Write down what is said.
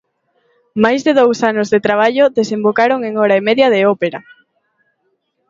Máis de dous anos de traballo desembocaron en hora e media de ópera.